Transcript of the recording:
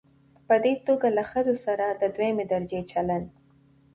په دې توګه له ښځو سره د دويمې درجې چلن